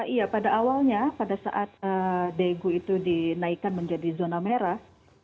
iya pada awalnya pada saat daegu itu dinaikkan menjadi zona merah